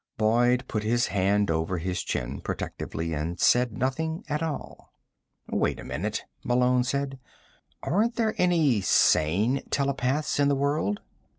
Boyd put his hand over his chin protectively, and said nothing at all. "Wait a minute," Malone said. "Aren't there any sane telepaths in the world?"